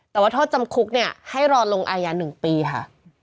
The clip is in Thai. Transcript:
แต่ว่าโทษจำคุกเนี่ยให้รอลงอายา๑ปีค่ะ